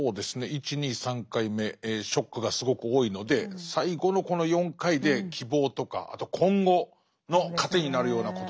１・２・３回目ショックがすごく多いので最後のこの４回で希望とかあと今後の糧になるようなことがあるといいなと。